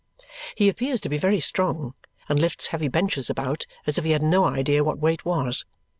He appears to be very strong and lifts heavy benches about as if he had no idea what weight was.